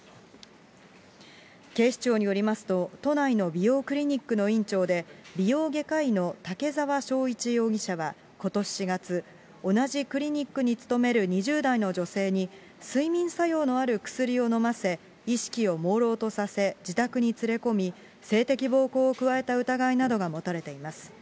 警視庁によりますと、都内の美容クリニックの院長で、美容外科医の竹沢章一容疑者はことし４月、同じクリニックに勤める２０代の女性に、睡眠作用のある薬を飲ませ、意識をもうろうとさせ、自宅に連れ込み、性的暴行を加えた疑いなどが持たれています。